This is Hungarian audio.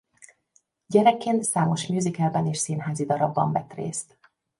Gyerekként számos musicalben és színházi darabban vett részt.